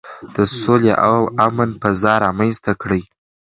د سولې او امن فضا رامنځته کړئ.